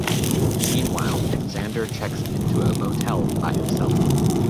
Meanwhile, Xander checks into a motel by himself.